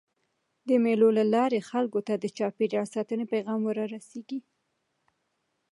د مېلو له لاري خلکو ته د چاپېریال ساتني پیغام وررسېږي.